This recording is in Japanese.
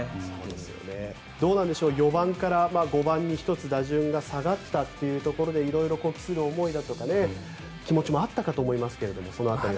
どうなんでしょう４番から５番に１つ打順が下がったというところで色々、期する思いとか気持ちもあったと思いますが。